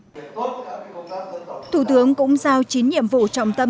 để tốt các vị công tác sẽ tổng tập trung thực hiện một trọng tâm